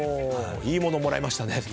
いいものもらいましたね。